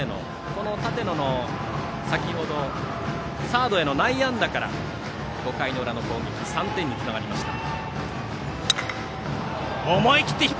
この舘野の先ほどサードへの内野安打から５回の裏の攻撃が３点につながりました。